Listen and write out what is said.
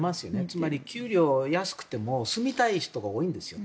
つまり給料が安くても住みたい人が多いんですよ。